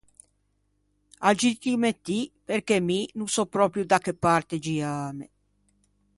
Aggiuttime ti, perché mi no sò pròpio da che parte giâme.